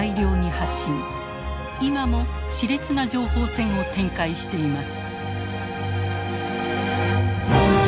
今もしれつな情報戦を展開しています。